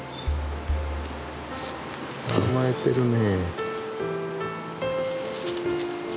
甘えてるね。